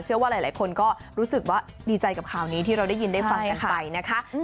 เชื่อว่าหลายคนก็รู้สึกว่าดีใจกับข่าวนี้ที่เราได้ยินได้ฟังกันไปนะคะ